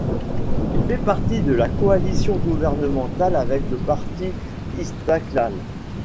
Il fait partie de la coalition gouvernementale avec le Parti Istiqlal.